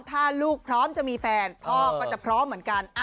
ถ้าลูกพร้อมจะมีแฟนพ่อก็จะพร้อมเหมือนกัน